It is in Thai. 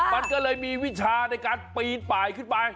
มันก็เลยมีวิชาในการปีนป่ายขึ้นไป